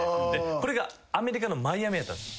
これがアメリカのマイアミやったんです。